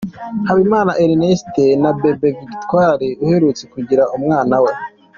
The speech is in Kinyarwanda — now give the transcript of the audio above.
Habimana Erneste na Bebe Victory aherutse kugira umwana we.